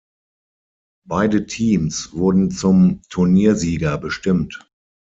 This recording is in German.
Beide Teams wurden zum Turniersieger bestimmt.